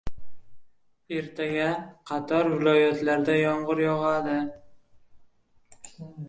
Ertaga qator viloyatlarda yomg‘ir yog‘adi